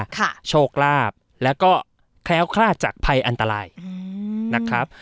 ค่ะโชคลาภแล้วก็แคล้วคลาดจากภัยอันตรายอืมนะครับ